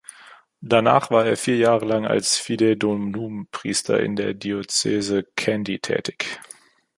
Danach war er vier Jahre lang als Fidei-Donum-Priester in der Diözese Kandy tätig.